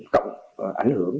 cộng ảnh hưởng